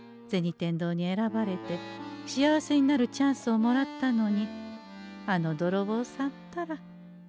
天堂に選ばれて幸せになるチャンスをもらったのにあのどろぼうさんったら。